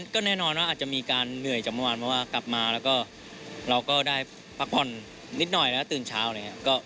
ก็แน่นอนว่าอาจจะมีการเหนื่อยจากเมื่อวานเพราะว่ากลับมาแล้วก็เราก็ได้พักผ่อนนิดหน่อยแล้วตื่นเช้าอะไรอย่างนี้